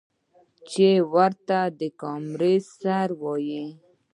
چې ورته د کمر سر وايي ـ